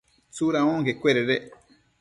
¿tsuda onquecuededec?